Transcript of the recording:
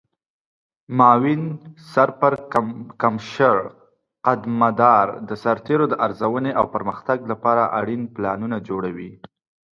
معاون سرپرکمشر قدمدار د سرتیرو د ارزونې او پرمختګ لپاره اړین پلانونه جوړوي.